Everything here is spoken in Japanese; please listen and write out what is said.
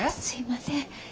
すいません。